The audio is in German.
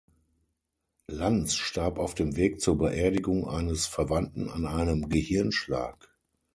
Lanz starb auf dem Weg zur Beerdigung eines Verwandten an einem Gehirnschlag.